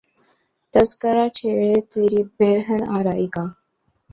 تذکرہ چھیڑے تری پیرہن آرائی کا